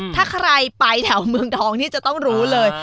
ถ้าใครไปแถวเมืองทองนี่จะต้องรู้เลย